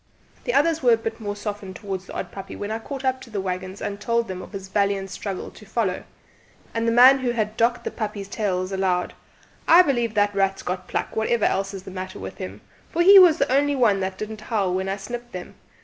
The others were a bit more softened towards the odd puppy when I caught up to the waggons and told them of his valiant struggle to follow; and the man who had docked the puppies' tails allowed, "I believe the rat's got pluck, whatever else is the matter with him, for he was the only one that didn't howl when I snipped them.